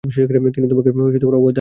তিনি তোমাকে অভয় দান করেছেন।